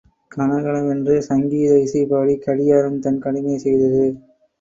கண கண வென்று சங்கீத இசை பாடி கடிகாரம் தன் கடமையைச் செய்தது.